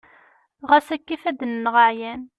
ɣas akka ifadden-nneɣ ɛyan